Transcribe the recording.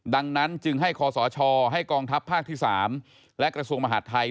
ดังนั้นจึงให้คศให้กองทัพภาคที่๓และกระทรวงมหาดไทย